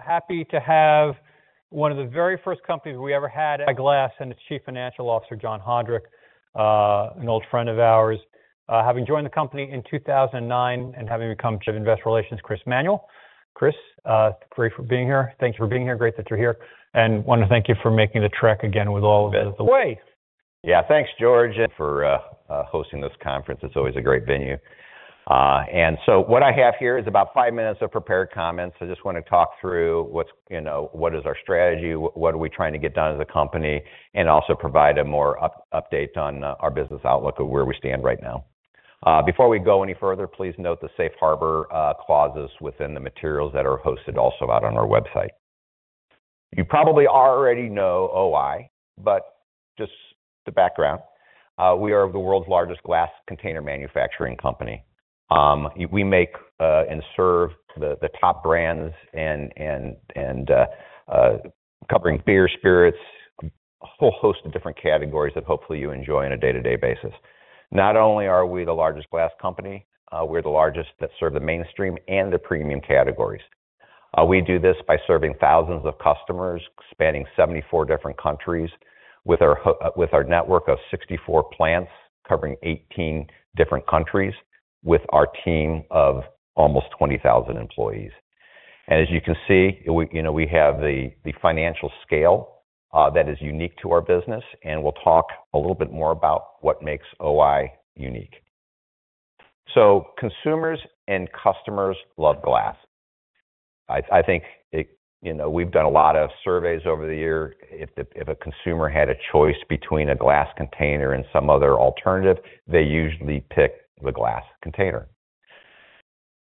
Happy to have one of the very first companies we ever had, O-I Glass, and its Chief Financial Officer, John Haudrich, an old friend of ours. Having joined the company in 2009 and having become Vice President of Investor Relations, Chris Manuel. Chris, great for being here. Thank you for being here. Great that you're here, and want to thank you for making the trek again with all of it the way. Thanks, George, for hosting this conference. It's always a great venue. What I have here is about five minutes of prepared comments. I just want to talk through what's, you know, what is our strategy, what are we trying to get done as a company, and also provide a more update on our business outlook of where we stand right now. Before we go any further, please note the safe harbor clauses within the materials that are hosted also out on our website. You probably already know O-I, just the background. We are the world's largest glass container manufacturing company. We make and serve the top brands and covering beer, spirits, a whole host of different categories that hopefully you enjoy on a day-to-day basis. Not only are we the largest glass company, we're the largest that serve the mainstream and the premium categories. We do this by serving thousands of customers, spanning 74 different countries, with our network of 64 plants, covering 18 different countries, with our team of almost 20,000 employees. As you can see, we, you know, we have the financial scale that is unique to our business, and we'll talk a little bit more about what makes O-I unique. Consumers and customers love glass. I think it, you know, we've done a lot of surveys over the year. If a consumer had a choice between a glass container and some other alternative, they usually pick the glass container.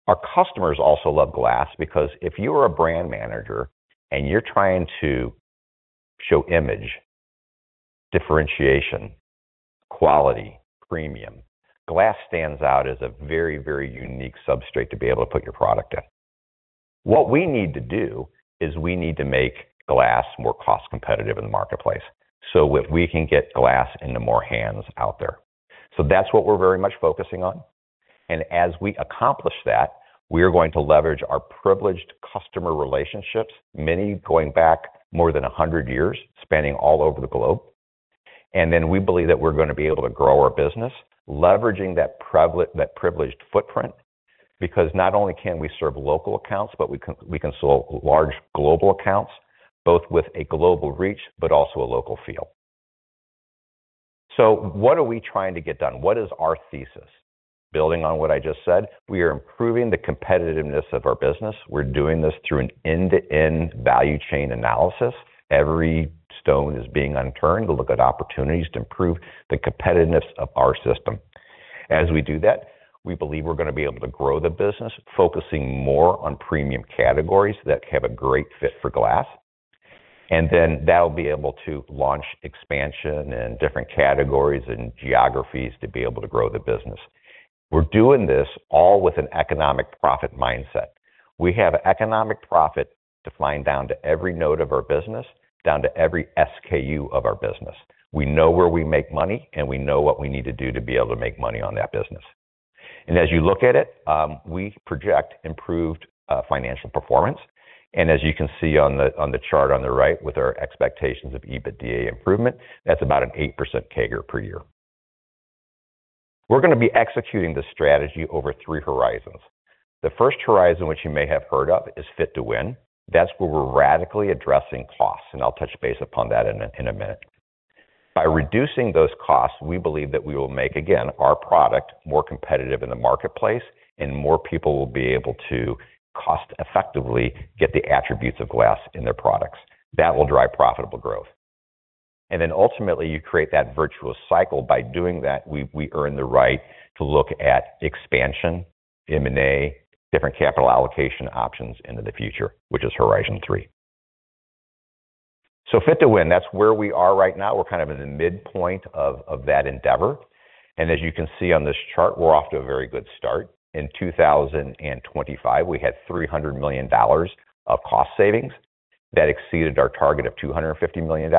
Our customers also love glass because if you are a brand manager and you're trying to show image, differentiation, quality, premium, glass stands out as a very, very unique substrate to be able to put your product in. What we need to do is we need to make glass more cost-competitive in the marketplace, so we can get glass into more hands out there. That's what we're very much focusing on, and as we accomplish that, we are going to leverage our privileged customer relationships, many going back more than 100 years, spanning all over the globe. We believe that we're gonna be able to grow our business, leveraging that privileged footprint, because not only can we serve local accounts, but we can solve large global accounts, both with a global reach, but also a local feel. What are we trying to get done? What is our thesis? Building on what I just said, we are improving the competitiveness of our business. We're doing this through an end-to-end value chain analysis. Every stone is being unturned to look at opportunities to improve the competitiveness of our system. As we do that, we believe we're gonna be able to grow the business, focusing more on premium categories that have a great fit for glass, and then that'll be able to launch expansion in different categories and geographies to be able to grow the business. We're doing this all with an economic profit mindset. We have economic profit defined down to every node of our business, down to every SKU of our business. We know where we make money, and we know what we need to do to be able to make money on that business. As you look at it, we project improved financial performance. As you can see on the chart on the right, with our expectations of EBITDA improvement, that's about an 8% CAGR per year. We're gonna be executing this strategy over three horizons. The first horizon, which you may have heard of, is Fit to Win. That's where we're radically addressing costs, and I'll touch base upon that in a, in a minute. By reducing those costs, we believe that we will make, again, our product more competitive in the marketplace, and more people will be able to cost effectively get the attributes of glass in their products. That will drive profitable growth. Ultimately, you create that virtuous cycle. By doing that, we earn the right to look at expansion, M&A, different capital allocation options into the future, which is Horizon 3. Fit to Win, that's where we are right now. We're kind of in the midpoint of that endeavor. As you can see on this chart, we're off to a very good start. In 2025, we had $300 million of cost savings. That exceeded our target of $250 million.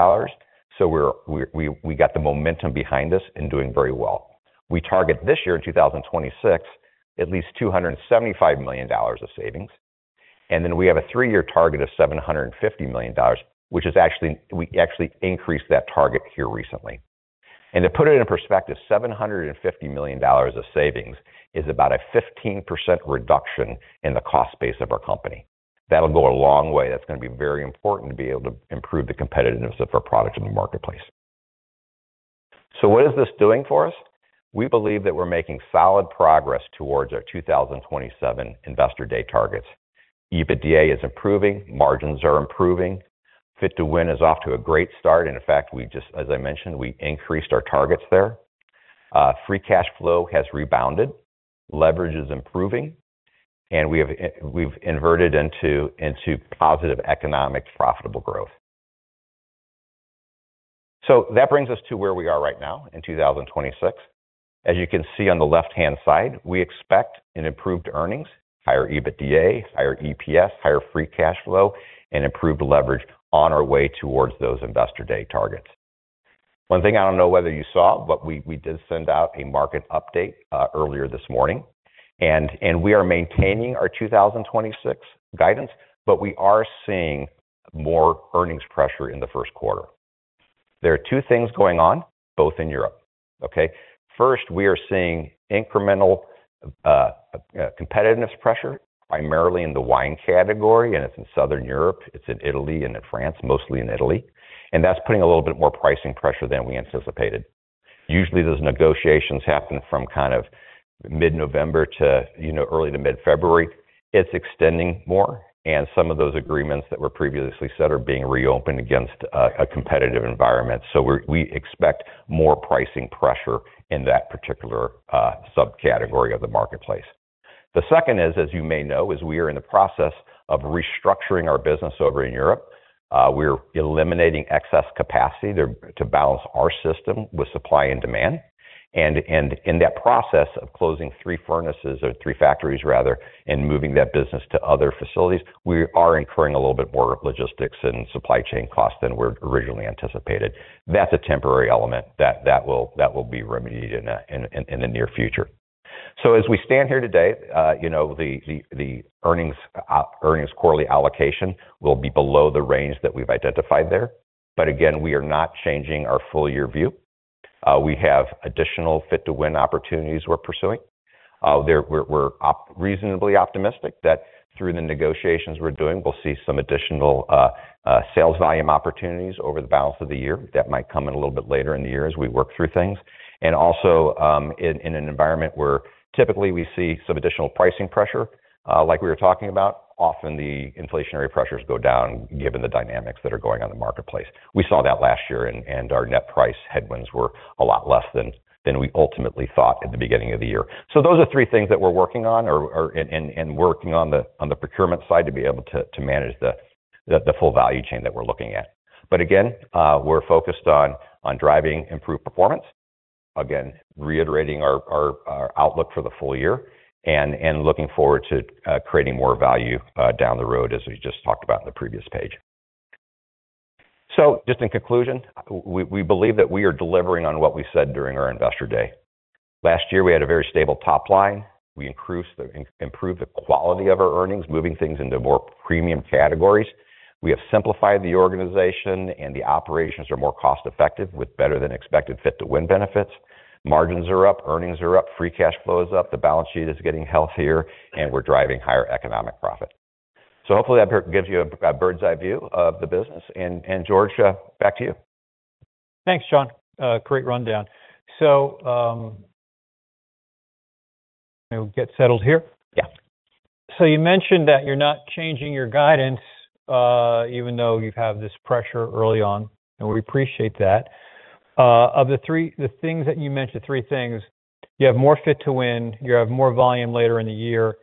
We got the momentum behind us and doing very well. We target this year, in 2026, at least $275 million of savings. We have a three-year target of $750 million, which we actually increased that target here recently. To put it in perspective, $750 million of savings is about a 15% reduction in the cost base of our company. That'll go a long way. That's gonna be very important to be able to improve the competitiveness of our product in the marketplace. What is this doing for us? We believe that we're making solid progress towards our 2027 Investor Day targets. EBITDA is improving, margins are improving, Fit to Win is off to a great start, and in fact, we just, as I mentioned, we increased our targets there. Free cash flow has rebounded, leverage is improving, and we've inverted into positive economic profitable growth. That brings us to where we are right now in 2026. As you can see on the left-hand side, we expect an improved earnings, higher EBITDA, higher EPS, higher free cash flow, and improved leverage on our way towards those Investor Day targets. One thing I don't know whether you saw, we did send out a market update earlier this morning. We are maintaining our 2026 guidance, we are seeing more earnings pressure in the first quarter. There are two things going on, both in Europe, okay? First, we are seeing incremental competitiveness pressure, primarily in the wine category, it's in Southern Europe. It's in Italy and in France, mostly in Italy, that's putting a little bit more pricing pressure than we anticipated. Usually, those negotiations happen from kind of mid-November to, you know, early to mid-February. It's extending more, and some of those agreements that were previously set are being reopened against a competitive environment. We expect more pricing pressure in that particular subcategory of the marketplace. The second is, as you may know, is we are in the process of restructuring our business over in Europe. We're eliminating excess capacity to balance our system with supply and demand. In that process of closing three furnaces or three factories rather, and moving that business to other facilities, we are incurring a little bit more logistics and supply chain costs than were originally anticipated. That's a temporary element that will be remedied in the near future. As we stand here today, you know, the earnings quarterly allocation will be below the range that we've identified there. Again, we are not changing our full year view. We have additional Fit to Win opportunities we're pursuing. There we're reasonably optimistic that through the negotiations we're doing, we'll see some additional sales volume opportunities over the balance of the year. That might come in a little bit later in the year as we work through things. Also, in an environment where typically we see some additional pricing pressure, like we were talking about, often the inflationary pressures go down, given the dynamics that are going on in the marketplace. We saw that last year, our net price headwinds were a lot less than we ultimately thought at the beginning of the year. Those are three things that we're working on or and working on the procurement side to be able to manage the full value chain that we're looking at. Again, we're focused on driving improved performance. Again, reiterating our outlook for the full year and looking forward to creating more value down the road, as we just talked about in the previous page. Just in conclusion, we believe that we are delivering on what we said during our Investor Day. Last year, we had a very stable top line. We increased improved the quality of our earnings, moving things into more premium categories. We have simplified the organization, and the operations are more cost-effective, with better-than-expected Fit to Win benefits. Margins are up, earnings are up, free cash flow is up, the balance sheet is getting healthier, and we're driving higher economic profit. Hopefully, that gives you a bird's-eye view of the business. George, back to you. Thanks, John. Great rundown. Let me get settled here. Yeah. You mentioned that you're not changing your guidance, even though you have this pressure early on, and we appreciate that. Of the three things that you mentioned, you have more Fit to Win, you have more volume later in the year,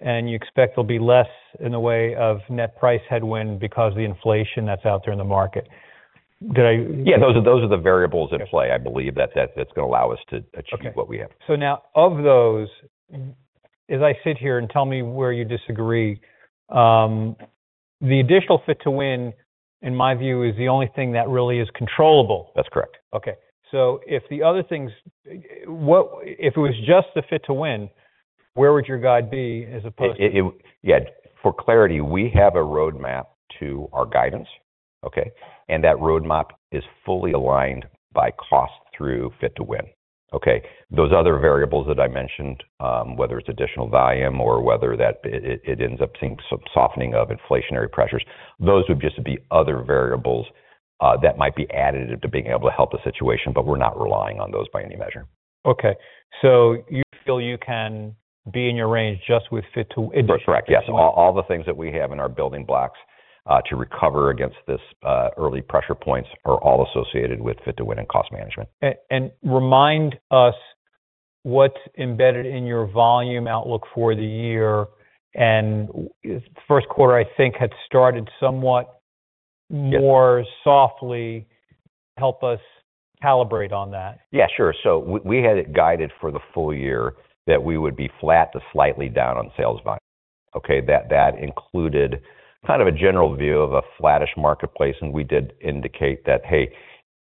and you expect there'll be less in the way of net price headwind because of the inflation that's out there in the market. Yeah, those are the variables at play. I believe that's gonna allow us to achieve what we have. Now, of those, as I sit here, and tell me where you disagree, the additional Fit to Win, in my view, is the only thing that really is controllable. That's correct. Okay. If the other things, if it was just the Fit to Win, where would your guide be as opposed to? Yeah, for clarity, we have a roadmap to our guidance, okay. That roadmap is fully aligned by cost through Fit to Win, okay. Those other variables that I mentioned, whether it's additional volume or whether that it ends up seeing some softening of inflationary pressures, those would just be other variables that might be added to being able to help the situation, but we're not relying on those by any measure. Okay. You feel you can be in your range just with Fit to Win? That's correct. Yes, all the things that we have in our building blocks, to recover against this, early pressure points are all associated with Fit to Win and cost management. Remind us what's embedded in your volume outlook for the year, and first quarter, I think, had started somewhat more softly. Help us calibrate on that. Yeah, sure. We had it guided for the full year that we would be flat to slightly down on sales volume, okay? That included kind of a general view of a flattish marketplace, and we did indicate that, hey,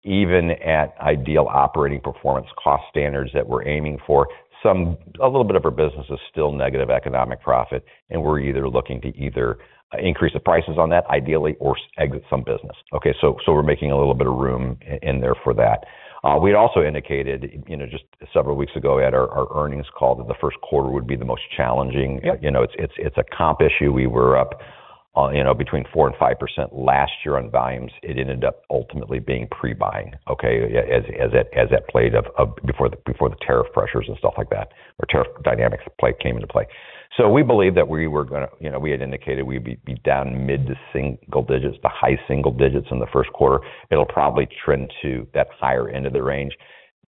even at ideal operating performance cost standards that we're aiming for, a little bit of our business is still negative economic profit, and we're either looking to either increase the prices on that, ideally, or exit some business, okay? We're making a little bit of room in there for that. We also indicated, you know, just several weeks ago at our earnings call, that the first quarter would be the most challenging. Yeah. You know, it's a comp issue. We were up, you know, between 4% and 5% last year on volumes. It ended up ultimately being pre-buying, okay? As that played before the tariff pressures and stuff like that, or tariff dynamics came into play. We believe that we were you know, we had indicated we'd be down mid to single digits, to high single digits in the first quarter. It'll probably trend to that higher end of the range.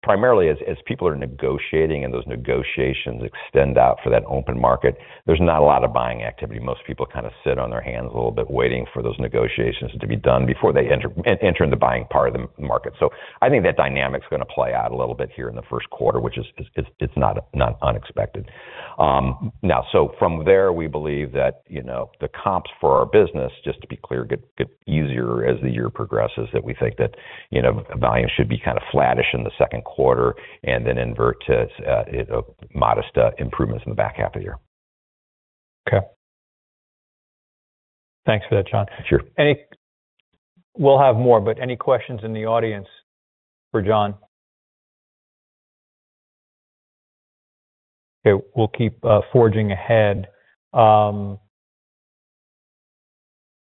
Primarily, as people are negotiating and those negotiations extend out for that open market, there's not a lot of buying activity. Most people kind of sit on their hands a little bit, waiting for those negotiations to be done before they enter in the buying part of the market. I think that dynamic's gonna play out a little bit here in the first quarter, which is not unexpected. Now, from there, we believe that, you know, the comps for our business, just to be clear, get easier as the year progresses, that we think that, you know, volume should be kind of flattish in the second quarter and then invert to modest improvements in the back half of the year. Okay. Thanks for that, John. Sure. We'll have more, but any questions in the audience for John? Okay, we'll keep forging ahead.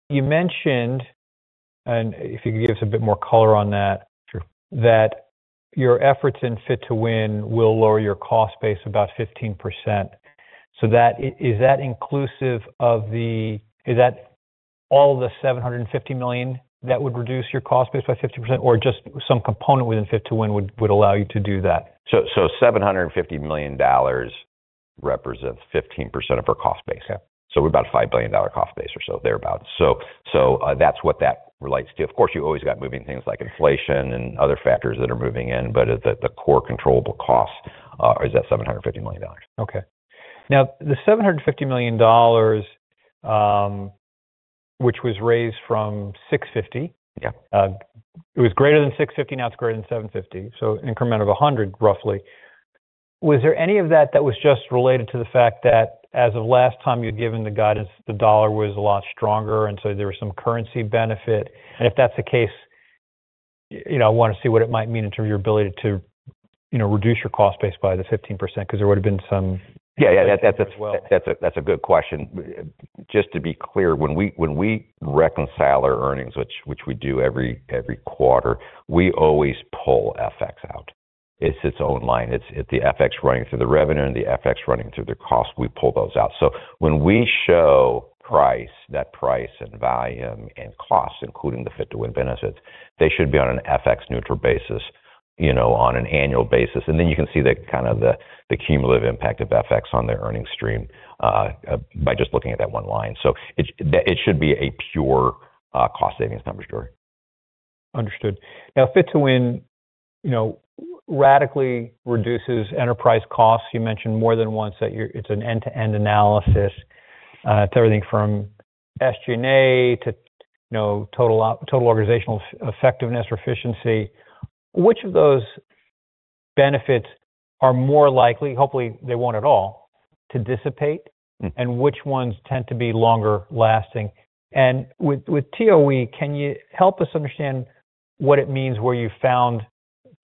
You mentioned, if you could give us a bit more color on that, is that inclusive of the, is that all the $750 million that would reduce your cost base by 50%, or just some component within Fit to Win would allow you to do that? $750 million represents 15% of our cost base. We're about a $5 billion cost base or so, thereabout. That's what that relates to. Of course, you always got moving things like inflation and other factors that are moving in, at the core controllable cost is at $750 million. Okay. Now, the $750 million, which was raised from $650 million? Yeah. It was greater than $650 million, now it's greater than $750 million, so increment of $100 million, roughly. Was there any of that that was just related to the fact that as of last time you'd given the guidance, the dollar was a lot stronger, and so there was some currency benefit? If that's the case, you know, I want to see what it might mean in terms of your ability to, you know, reduce your cost base by the 15%, 'cause there would have been some. Yeah, yeah, that's a, that's a, that's a good question. Just to be clear, when we reconcile our earnings, which we do every quarter, we always pull FX out. It's its own line. The FX running through the revenue and the FX running through the cost, we pull those out. When we show price, net price and volume and costs, including the Fit to Win benefits, they should be on an FX-neutral basis, you know, on an annual basis. Then you can see the kind of the cumulative impact of FX on the earnings stream by just looking at that one line. It should be a pure cost savings number story. Understood. Fit to Win, you know, radically reduces enterprise costs. You mentioned more than once that it's an end-to-end analysis to everything from SG&A to, you know, Total Organization Effectiveness or efficiency. Which of those benefits are more likely, hopefully, they want it all, to dissipate and which ones tend to be longer lasting? With TOE, can you help us understand what it means, where you found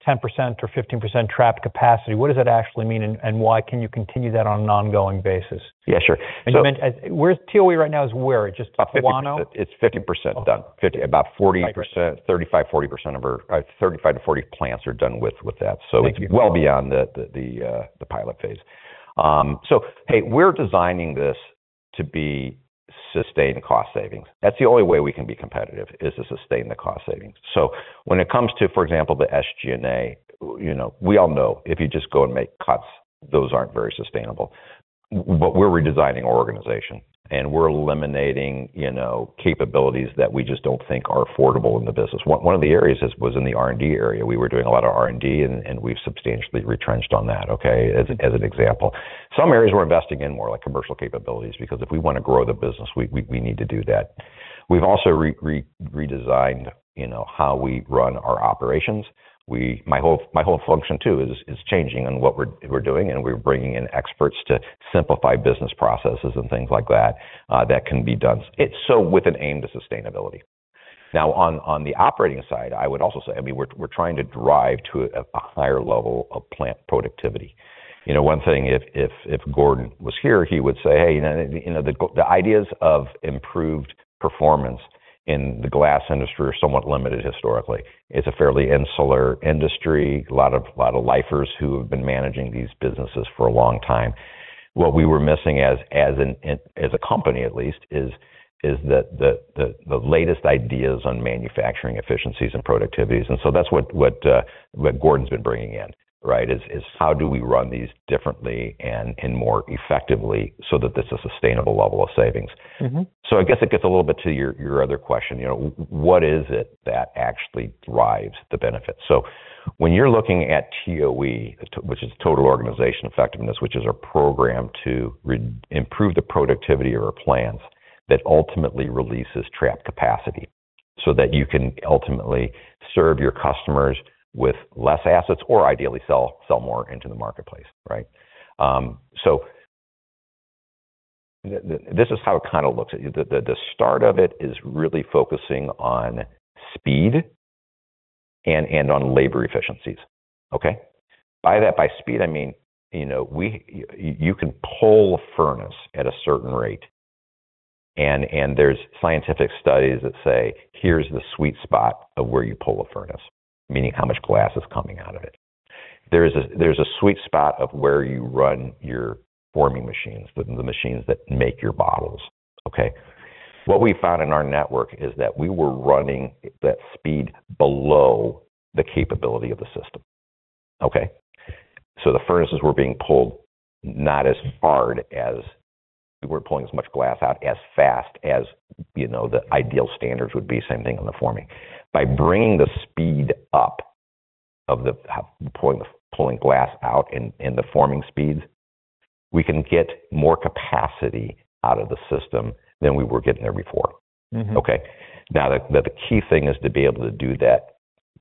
10% or 15% trapped capacity? What does that actually mean, and why can you continue that on an ongoing basis? Yeah, sure. You meant, TOE right now is where? Just Toano? It's 50% done. About 40%. 35%, 40% of our, 35-40 plants are done with that. Well beyond the pilot phase. Hey, we're designing this to be sustained cost savings. That's the only way we can be competitive, is to sustain the cost savings. When it comes to, for example, the SG&A, you know, we all know if you just go and make cuts, those aren't very sustainable. We're redesigning our organization, and we're eliminating, you know, capabilities that we just don't think are affordable in the business. One of the areas was in the R&D area. We were doing a lot of R&D, and we've substantially retrenched on that, okay, as an example. Some areas we're investing in more, like commercial capabilities, because if we want to grow the business, we need to do that. We've also redesigned, you know, how we run our operations. My whole function, too, is changing on what we're doing, and we're bringing in experts to simplify business processes and things like that can be done. It's with an aim to sustainability. On the operating side, I would also say, I mean, we're trying to drive to a higher level of plant productivity. You know, one thing if Gordon was here, he would say, "Hey, you know, the ideas of improved performance in the glass industry are somewhat limited historically." It's a fairly insular industry, a lot of lifers who have been managing these businesses for a long time. What we were missing as a company, at least, is the latest ideas on manufacturing efficiencies and productivities. That's what Gordon's been bringing in, right? Is how do we run these differently and more effectively so that this is a sustainable level of savings? Mm-hmm. I guess it gets a little bit to your other question, you know, what is it that actually drives the benefit? When you're looking at TOE, which is Total Organization Effectiveness, which is a program to improve the productivity of our plants, that ultimately releases trapped capacity, so that you can ultimately serve your customers with less assets or ideally sell more into the marketplace, right? This is how it kind of looks. The start of it is really focusing on speed and on labor efficiencies, okay? By that, by speed, I mean, you know, you can pull a furnace at a certain rate, and there's scientific studies that say, "Here's the sweet spot of where you pull a furnace," meaning how much glass is coming out of it. There's a sweet spot of where you run your forming machines, the machines that make your bottles, okay? What we found in our network is that we were running that speed below the capability of the system, okay? The furnaces were being pulled, we weren't pulling as much glass out, as fast as, you know, the ideal standards would be same thing on the forming. By bringing the speed up of the pulling glass out and the forming speeds, we can get more capacity out of the system than we were getting there before. Mm-hmm. The key thing is to be able to do that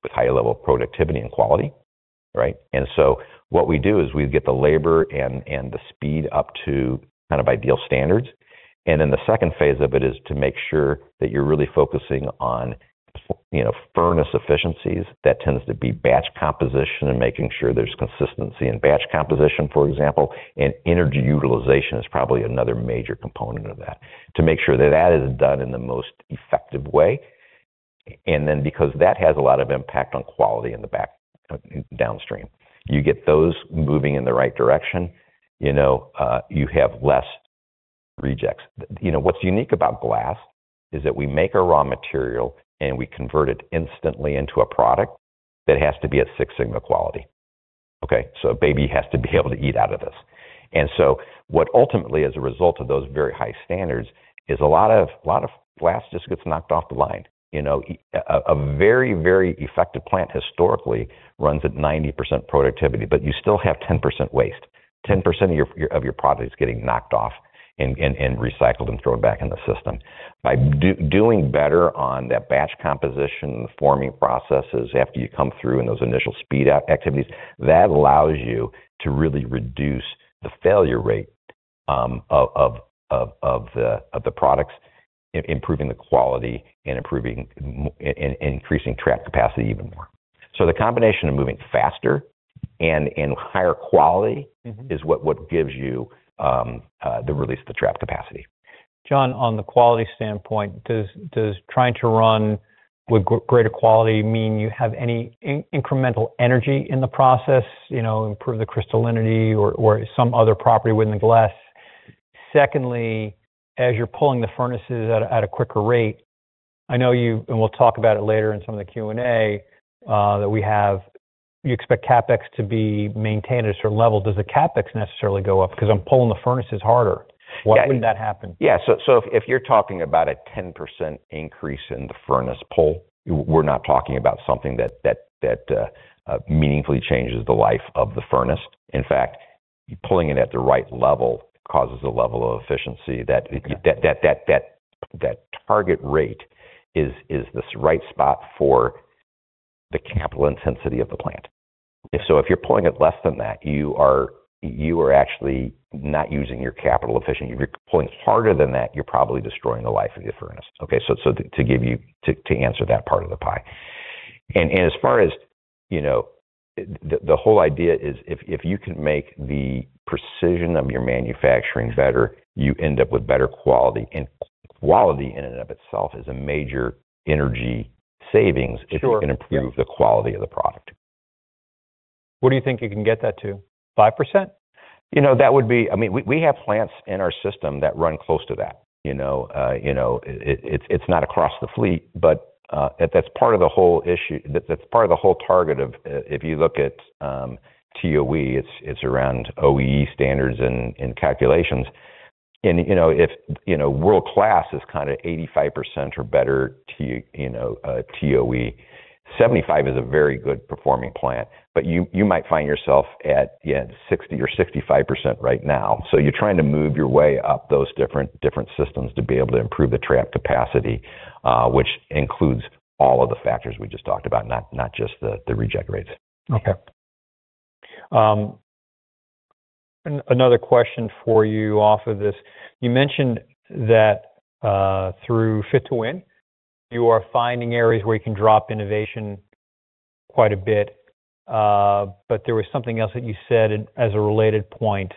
with high level of productivity and quality, right? What we do is we get the labor and the speed up to kind of ideal standards. The second phase of it is to make sure that you're really focusing on, you know, furnace efficiencies. That tends to be batch composition and making sure there's consistency in batch composition, for example, and energy utilization is probably another major component of that, to make sure that that is done in the most effective way. Because that has a lot of impact on quality in the back, downstream. You get those moving in the right direction, you know, you have less rejects. You know, what's unique about glass is that we make a raw material, and we convert it instantly into a product that has to be at Six Sigma quality. Okay? A baby has to be able to eat out of this. What ultimately, as a result of those very high standards, is a lot of glass just gets knocked off the line. You know, a very effective plant historically runs at 90% productivity, but you still have 10% waste. 10% of your product is getting knocked off and recycled and thrown back in the system. By doing better on that batch composition and the forming processes after you come through in those initial speed out activities, that allows you to really reduce the failure rate of the products, improving the quality and improving and increasing trap capacity even more. The combination of moving faster and in higher quality, is what gives you the release of the trap capacity. John, on the quality standpoint, does trying to run with greater quality mean you have any incremental energy in the process, you know, improve the crystallinity or some other property within the glass? Secondly, as you're pulling the furnaces at a quicker rate, I know you and we'll talk about it later in some of the Q&A that we have, you expect CapEx to be maintained at a certain level. Does the CapEx necessarily go up? Because I'm pulling the furnaces harder. Why would that happen? Yeah. If you're talking about a 10% increase in the furnace pull, we're not talking about something that meaningfully changes the life of the furnace. In fact, you pulling it at the right level causes a level of efficiency that target rate is the right spot for the capital intensity of the plant. If so, if you're pulling it less than that, you are actually not using your capital efficiently. If you're pulling harder than that, you're probably destroying the life of your furnace. Okay, to give you, to answer that part of the pie. As far as, you know. The whole idea is if you can make the precision of your manufacturing better, you end up with better quality. Quality in and of itself is a major energy savings if you can improve the quality of the product. What do you think you can get that to? 5%? You know, I mean, we have plants in our system that run close to that, you know. You know, it's not across the fleet, but that's part of the whole issue. That's part of the whole target of. If you look at TOE, it's around OEE standards and calculations. You know, if, you know, world-class is kinda 85% or better TOE, 75% is a very good performing plant, but you might find yourself at, yeah, 60% or 65% right now. You're trying to move your way up those different systems to be able to improve the trap capacity, which includes all of the factors we just talked about, not just the reject rates. Okay. another question for you off of this. You mentioned that through Fit to Win, you are finding areas where you can drop innovation quite a bit, but there was something else that you said as a related point,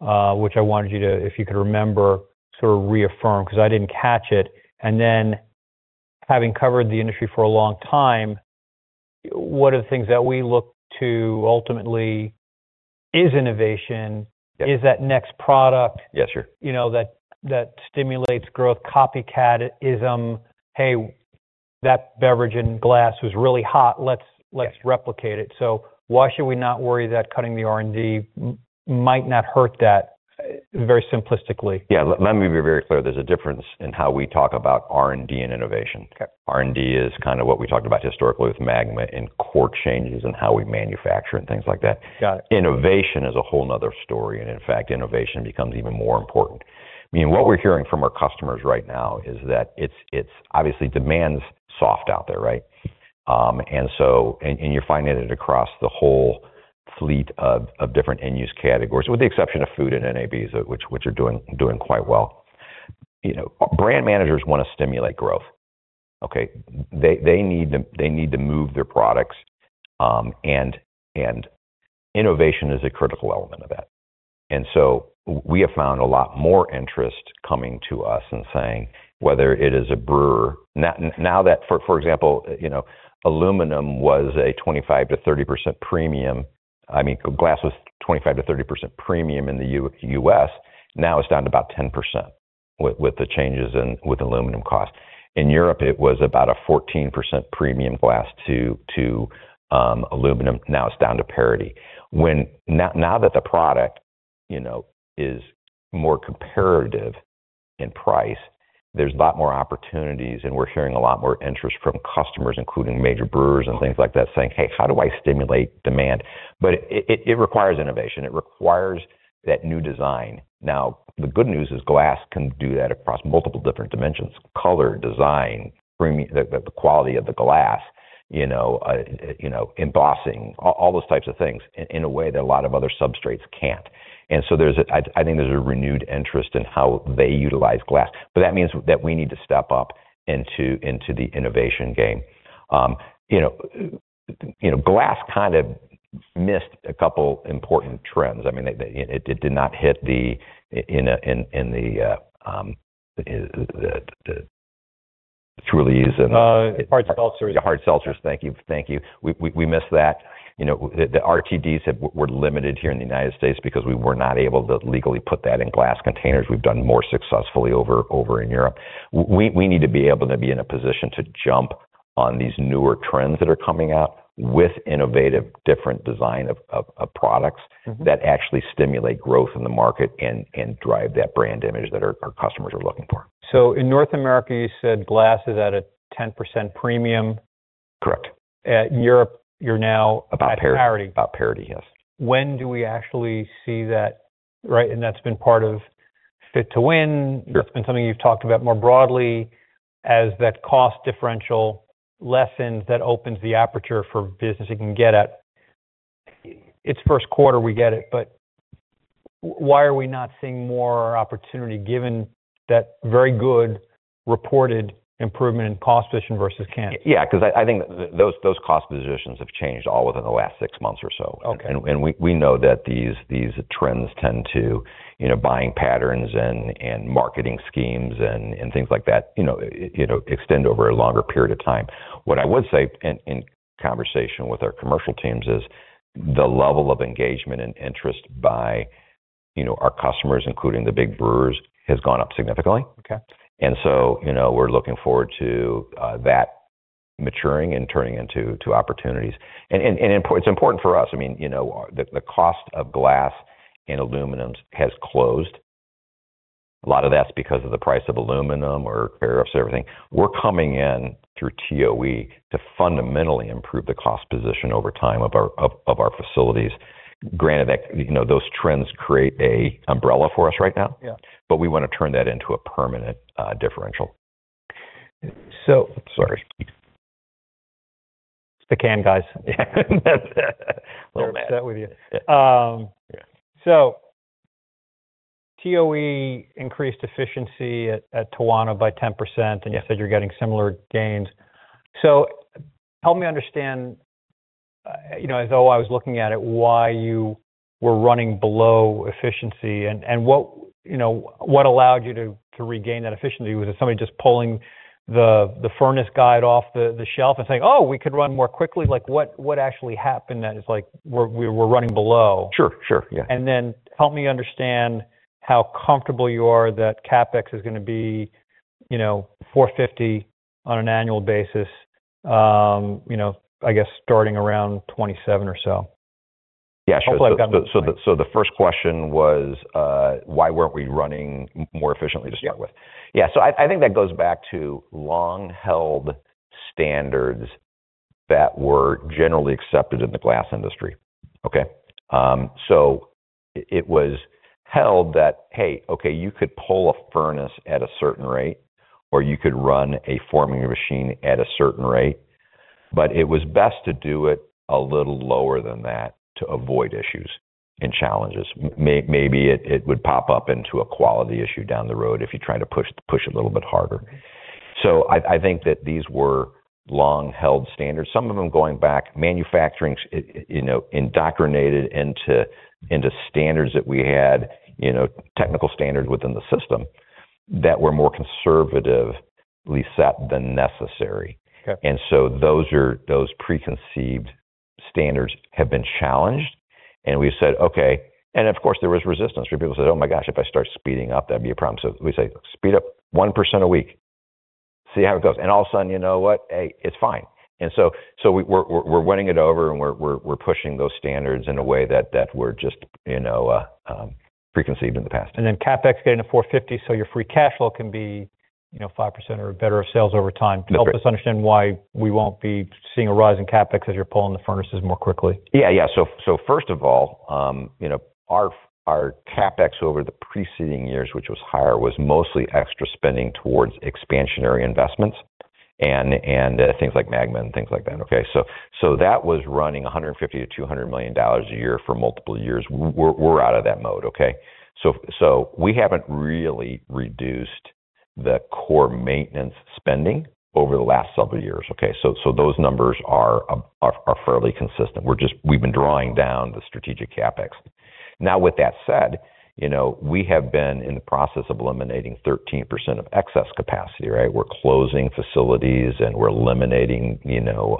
which I wanted you to, if you could remember, sort of reaffirm, 'cause I didn't catch it. Having covered the industry for a long time, one of the things that we look to ultimately is innovation. Is that next product, you know, that stimulates growth, copycatism. "Hey, that beverage in glass was really hot. Let's replicate it." Why should we not worry that cutting the R&D might not hurt that, very simplistically? Yeah, let me be very clear. There's a difference in how we talk about R&D and innovation. Okay. R&D is kind of what we talked about historically with MAGMA and core changes and how we manufacture and things like that. Got it. Innovation is a whole another story. In fact, innovation becomes even more important. I mean, what we're hearing from our customers right now is that obviously, demand's soft out there, right? You're finding it across the whole fleet of different end-use categories, with the exception of food and NAB, which are doing quite well. You know, brand managers wanna stimulate growth. Okay? They need to move their products, and innovation is a critical element of that. We have found a lot more interest coming to us and saying, whether it is a brewer... Now that, for example, you know, aluminum was a 25%-30% premium. I mean, glass was 25%-30% premium in the U.S., now it's down to about 10% with the changes in, with aluminum cost. In Europe, it was about a 14% premium glass to aluminum. It's down to parity. Now that the product, you know, is more comparative in price, there's a lot more opportunities, and we're hearing a lot more interest from customers, including major brewers and things like that, saying, "Hey, how do I stimulate demand?" It requires innovation. It requires that new design. The good news is glass can do that across multiple different dimensions: color, design, bringing the quality of the glass, you know, embossing, all those types of things in a way that a lot of other substrates can't. I think there's a renewed interest in how they utilize glass, but that means that we need to step up into the innovation game. You know, glass kind of missed a couple important trends. I mean, they, it did not hit the Truly and the- Hard seltzers. Yeah, hard seltzers. Thank you. Thank you. We missed that. You know, the RTDs were limited here in the United States because we were not able to legally put that in glass containers. We've done more successfully over in Europe. We need to be able to be in a position to jump on these newer trends that are coming out with innovative, different design of products that actually stimulate growth in the market and drive that brand image that our customers are looking for. In North America, you said glass is at a 10% premium? Correct. At Europe, you're now about parity. About parity, yes. When do we actually see that, right? That's been part of Fit to Win. It's been something you've talked about more broadly as that cost differential lessens, that opens the aperture for business. You can get it. It's first quarter, we get it, but why are we not seeing more opportunity, given that very good reported improvement in cost position versus can? Yeah, 'cause I think that those cost positions have changed all within the last six months or so. Okay. We know that these trends tend to, you know, buying patterns and marketing schemes and things like that, you know, it, you know, extend over a longer period of time. What I would say in conversation with our commercial teams is, the level of engagement and interest by, you know, our customers, including the big brewers, has gone up significantly. Okay. You know, we're looking forward to that maturing and turning into opportunities. it's important for us. I mean, you know, the cost of glass and aluminum has closed. A lot of that's because of the price of aluminum or tariffs, everything. We're coming in through TOE to fundamentally improve the cost position over time of our facilities. Granted that, you know, those trends create a umbrella for us right now. Yeah. We want to turn that into a permanent differential. TOE increased efficiency at Toano by 10%, and you said you're getting similar gains. Help me understand, you know, as though I was looking at it, why you were running below efficiency and what, you know, what allowed you to regain that efficiency? Was it somebody just pulling the furnace guide off the shelf and saying, "Oh, we could run more quickly"? Like, what actually happened that it's like, we're running below? Sure. Yeah. Help me understand how comfortable you are that CapEx is gonna be, you know, $450 on an annual basis, you know, I guess starting around 2027 or so. Yeah. So the first question was, why weren't we running more efficiently to start with? Yeah. I think that goes back to long-held standards that were generally accepted in the glass industry, okay. It was held that, hey, okay, you could pull a furnace at a certain rate, or you could run a forming machine at a certain rate, but it was best to do it a little lower than that to avoid issues and challenges. Maybe it would pop up into a quality issue down the road if you try to push it a little bit harder. I think that these were long-held standards, some of them going back manufacturing, you know, indoctrinated into standards that we had, you know, technical standards within the system that were more conservatively set than necessary. Okay. Those preconceived standards have been challenged. We said, "Okay." Of course, there was resistance, where people said, "Oh, my gosh, if I start speeding up, that'd be a problem." We say, "Speed up 1% a week, see how it goes." All of a sudden, you know what? Hey, it's fine. We're winning it over. We're pushing those standards in a way that were just, you know, preconceived in the past. CapEx getting to $450, so your free cash flow can be, you know, 5% or better of sales over time. That's right. Help us understand why we won't be seeing a rise in CapEx as you're pulling the furnaces more quickly? Yeah, yeah. First of all, you know, our CapEx over the preceding years, which was higher, was mostly extra spending towards expansionary investments and things like MAGMA and things like that, okay? That was running $150 million-$200 million a year for multiple years. We're out of that mode, okay? We haven't really reduced the core maintenance spending over the last several years, okay? Those numbers are fairly consistent. We've been drawing down the strategic CapEx. Now, with that said, you know, we have been in the process of eliminating 13% of excess capacity, right? We're closing facilities. We're eliminating, you know,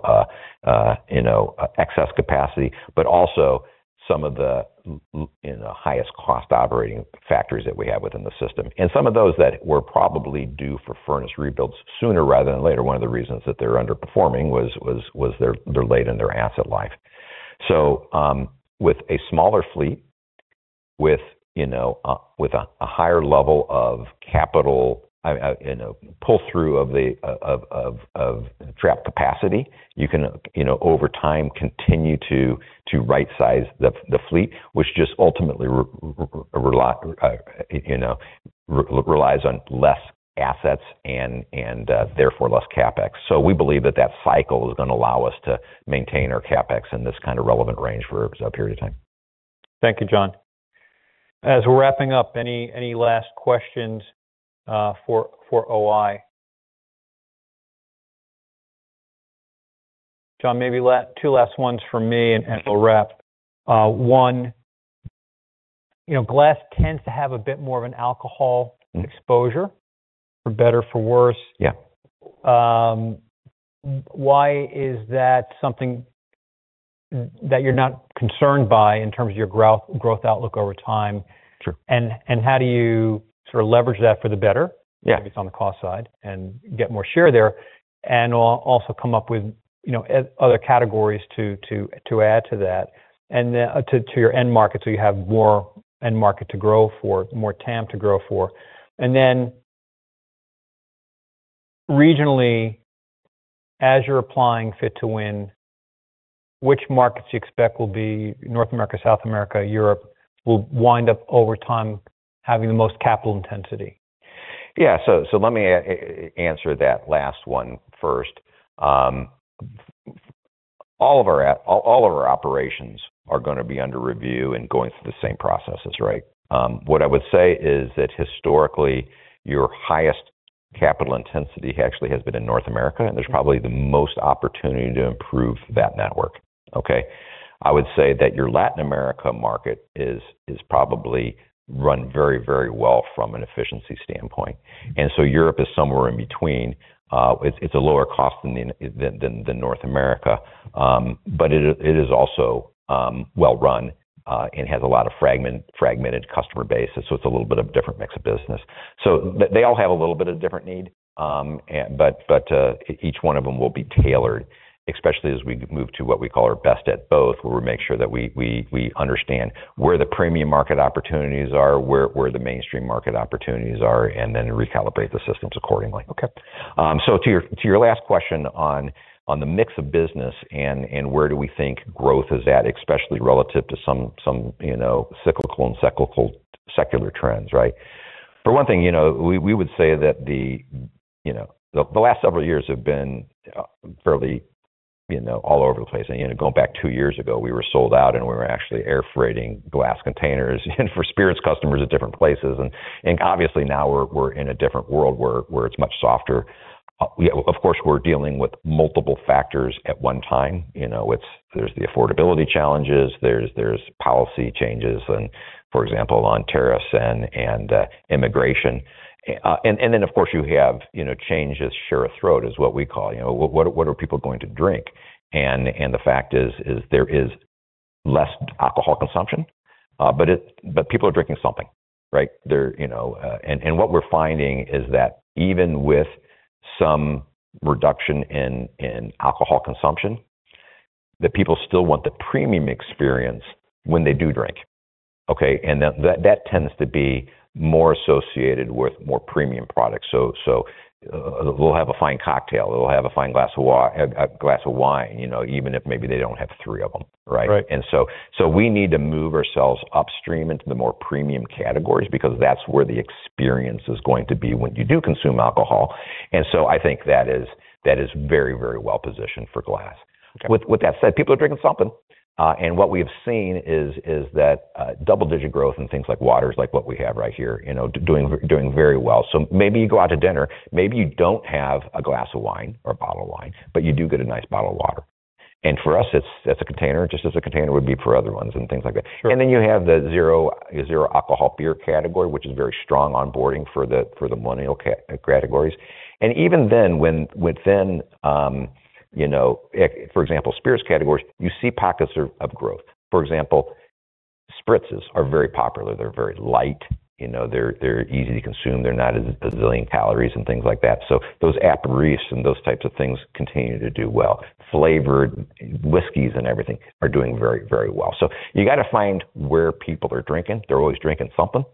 excess capacity, but also some of the, you know, highest cost operating factories that we have within the system. Some of those that were probably due for furnace rebuilds sooner rather than later. One of the reasons that they're underperforming was they're late in their asset life. With a smaller fleet, with, you know, a higher level of capital, you know, pull through of the trapped capacity, you can, you know, over time continue to right size the fleet, which just ultimately relies on less assets and, therefore, less CapEx. We believe that that cycle is gonna allow us to maintain our CapEx in this kind of relevant range for a period of time. Thank you, John. As we're wrapping up, any last questions for O-I? John, maybe two last ones from me and we'll wrap. One, you know, glass tends to have a bit more of an alcohol exposure, for better or for worse. Yeah. Why is that something that you're not concerned by in terms of your growth outlook over time? Sure. How do you sort of leverage that for the better? Maybe it's on the cost side, and get more share there, and also come up with, you know, other categories to add to that, and then, to your end market, so you have more end market to grow for, more TAM to grow for? Regionally, as you're applying Fit to Win, which markets do you expect will be North America, South America, Europe, will wind up over time having the most capital intensity? Yeah. So let me answer that last one first. All of our operations are gonna be under review and going through the same processes, right? What I would say is that, historically, your highest capital intensity actually has been in North America, and there's probably the most opportunity to improve that network, okay? I would say that your Latin America market is very, very well run from an efficiency standpoint. Europe is somewhere in between. It's a lower cost than the North America, but it is also well run and has a lot of fragmented customer base, it's a little bit of a different mix of business. They all have a little bit of different need and each one of them will be tailored, especially as we move to what we call our Best at Both, where we make sure that we understand where the premium market opportunities are, where the mainstream market opportunities are, recalibrate the systems accordingly, okay? to your last question on the mix of business and where do we think growth is at, especially relative to some, you know, cyclical and secular trends, right? For one thing, you know, we would say that the, you know, the last several years have been fairly, you know, all over the place. you know, going back 2 years ago, we were sold out, and we were actually air freighting glass containers for spirits customers at different places. Obviously, now we're in a different world, where it's much softer. Of course, we're dealing with multiple factors at one time. You know, there's the affordability challenges, there's policy changes, for example, on tariffs and immigration. Then, of course, you have, you know, change as Share of Throat, is what we call. You know, what are people going to drink? The fact is, there is less alcohol consumption, but people are drinking something, right? You know, what we're finding is that even with some reduction in alcohol consumption, that people still want the premium experience when they do drink, okay? That tends to be more associated with more premium products. They'll have a fine cocktail, or they'll have a fine glass of wine, you know, even if maybe they don't have three of them, right? Right. So we need to move ourselves upstream into the more premium categories because that's where the experience is going to be when you do consume alcohol. So I think that is very well positioned for glass. Okay. With that said, people are drinking something. What we have seen is that double-digit growth in things like waters, like what we have right here, you know, doing very well. Maybe you go out to dinner, maybe you don't have a glass of wine or a bottle of wine, but you do get a nice bottle of water. For us, it's, that's a container, just as a container would be for other ones, and things like that. Sure. You have the zero alcohol beer category, which is very strong onboarding for the millennial categories. Even then, when, within, you know, for example, spirits categories, you see pockets of growth. For example, spritzes are very popular. They're very light, you know, they're easy to consume, they're not a zillion calories and things like that. Those aperitifs and those types of things continue to do well. Flavored whiskeys and everything are doing very well. You gotta find where people are drinking. They're always drinking something,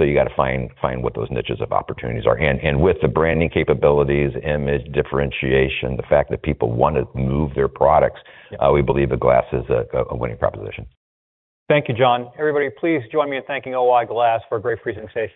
you gotta find what those niches of opportunities are. With the branding capabilities, image, differentiation, the fact that people want to move their products. Yeah. We believe the glass is a winning proposition. Thank you, John. Everybody, please join me in thanking O-I Glass for a great presentation.